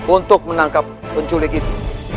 untuk menangkap penculik itu